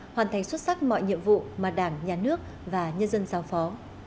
hoàn thành xuất sắc mọi nhiệm vụ mà đảng nhà nước và nhân dân giao phó